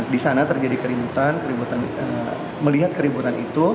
di sana terjadi keributan melihat keributan itu